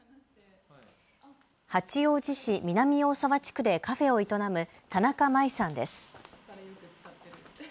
八王子市南大沢地区でカフェを営む田中麻衣さんです。